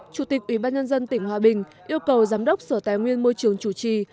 chủ tịch ủy ban nhân dân tỉnh hòa bình yêu cầu giám đốc sở tài nguyên môi trường chủ trì